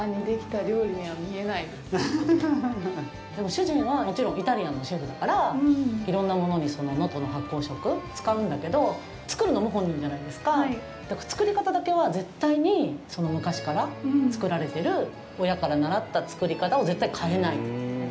でも、主人はもちろんイタリアンのシェフだから、いろんなものに能登の発酵食を使うんだけどだから、作り方だけは絶対に昔から作られてる、親から習った作り方を絶対変えない。